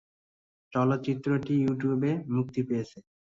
চলচ্চিত্রটি ইউটিউবে মুক্তি পেয়েছে।